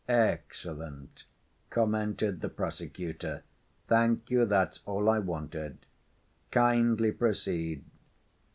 "Excellent," commented the prosecutor. "Thank you. That's all I wanted. Kindly proceed."